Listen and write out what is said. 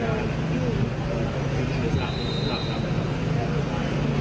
อันนี้คือยืมไปแล้วก็มีเทปทั้งแบงก์นั่นแล้วก็ลาดเข้าไป